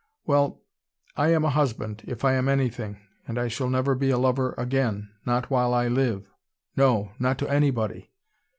Well, I am a husband, if I am anything. And I shall never be a lover again, not while I live. No, not to anybody.